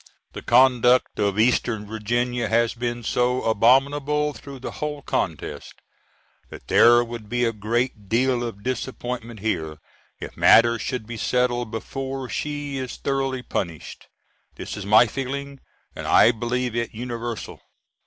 The conduct of eastern Virginia has been so abominable through the whole contest that there would be a great deal of disappointment here if matters should be settled before she is thoroughly punished. This is my feeling, and I believe it universal.